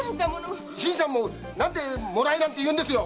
新さんも何で「もらえ」なんて言うんですよ！